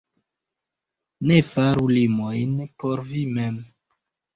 Ne faru limojn por vi mem.